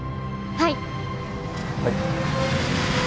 はい！